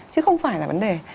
chứ không phải là vấn đề